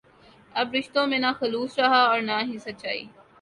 اب رشتوں میں نہ خلوص رہا ہے اور نہ ہی سچائی